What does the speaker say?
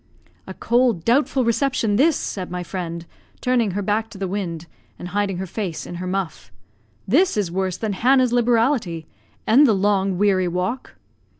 "A cold, doubtful reception this!" said my friend, turning her back to the wind, and hiding her face in her muff. "This is worse than Hannah's liberality, and the long, weary walk."